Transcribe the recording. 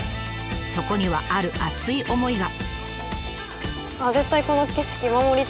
そこにはある熱い思いが。